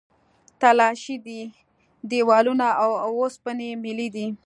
تلاشۍ دي، دیوالونه او اوسپنې میلې دي.